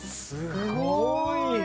すごい。